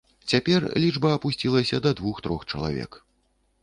Цяпер лічба апусцілася да двух-трох чалавек.